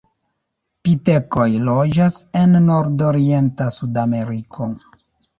Pitekoj loĝas en nordorienta Sudameriko.